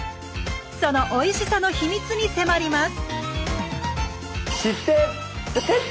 そのおいしさの秘密に迫ります